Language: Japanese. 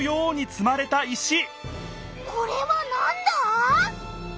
これはなんだ？